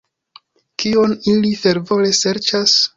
Kion ili fervore serĉas?